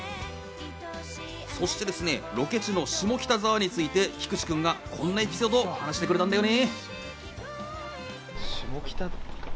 そしてですね、ロケ地の下北沢について菊池君がこんなエピソードを話してくれたんだよね。